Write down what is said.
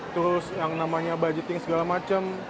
terus yang namanya budgeting segala macam